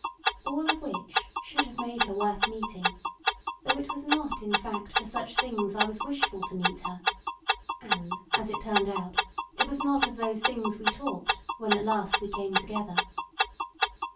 Z96 THE WALKING WOMAN All of which should have made her worth meeting, though it was not, in fact, for such things I was wishful to meet her; and as it turned out, it was not of these things we talked when at last we came together.